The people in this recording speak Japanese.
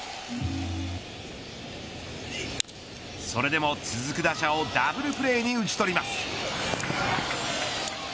それでも、続く打者をダブルプレーに打ち取ります。